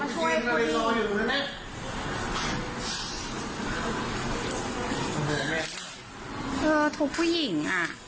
ใช่ทุกผู้หญิง